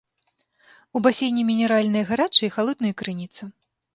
У басейне мінеральныя гарачыя і халодныя крыніцы.